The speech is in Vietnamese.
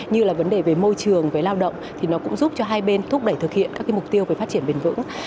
như là vấn đề về môi trường về lao động thì nó cũng giúp cho hai bên thúc đẩy thực hiện các mục tiêu về phát triển bền vững